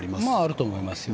あると思いますよ。